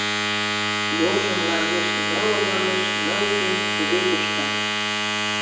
Йолжо мландеш ны логалеш, ны уке — туге кушта.